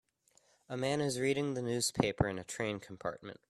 A man is reading the newspaper in a train compartment.